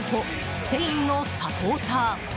スペインのサポーター。